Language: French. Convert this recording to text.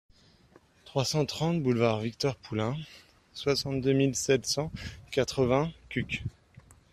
trois cent trente boulevard Victor Poulain, soixante-deux mille sept cent quatre-vingts Cucq